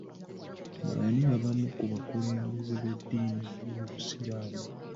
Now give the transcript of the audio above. B'ani abamu ku bakulembeze b'edddiini y'obusiraamu?